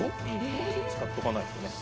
ここで使っとかないとね。